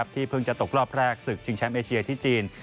เพิ่งจะตกรอบแรกศึกชิงแชมป์เอเชียที่จีน